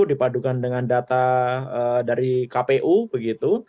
dipadukan dengan data dari kpu begitu